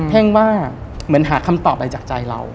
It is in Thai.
แ่งว่าเหมือนหาคำตอบอะไรจากใจเรา